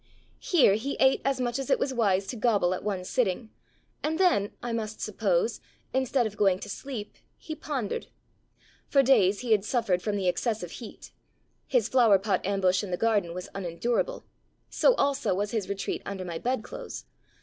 Here he ate as much as it was wise to gobble at one sitting, and then, I must suppose, instead of going to sleep, he pondered. For days he had suffered from the excessive heat; his flower pot ambush in the garden was unendurable, so also was his retreat under my bedclothes.